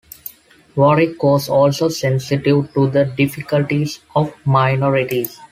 Warrick was also sensitive to the difficulties of minorities.